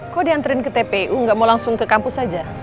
kok diantarin ke tpu nggak mau langsung ke kampus saja